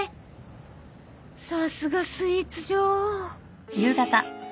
さすがスイーツ女王。